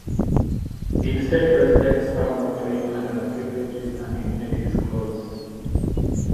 In-state residents have no claim under the Privileges and Immunities Clause.